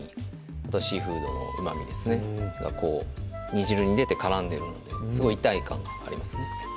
あとシーフードのうまみですねが煮汁に出て絡んでるのですごい一体感がありますね